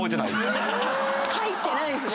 入ってないんすね。